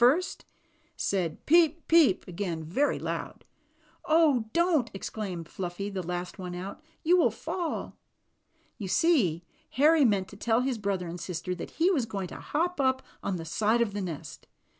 first, said "peep, peep!" again very loud. THE ROBINS' HOME. 71 "Oh, don't,'' exclaimed Fluffy, the last one out. "You will fall." You see Harry meant to tell his brother and sister that he was going to hop up on the side of the nest.